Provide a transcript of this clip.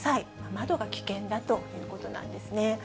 窓が危険だということなんですね。